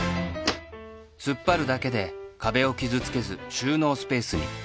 突っ張るだけで壁を傷つけず収納スペースに